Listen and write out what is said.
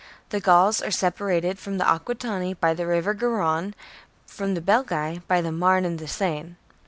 The Gauls are separated from the Aquitani by the river Garonne, from the Belgae by the Marne and the Seine.